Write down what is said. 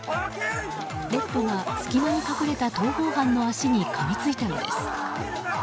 レッドが隙間に隠れた逃亡犯の足にかみついたのです。